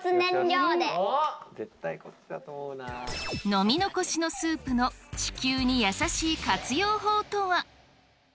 飲み残しのスープの地球に優しい活用法とは？